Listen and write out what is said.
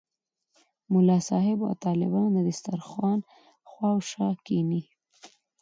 ملا صاحب او طالبان د دسترخوان شاوخوا کېني.